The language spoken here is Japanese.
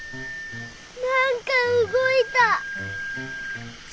なんかうごいた。